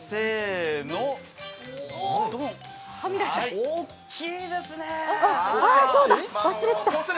おっきいですね。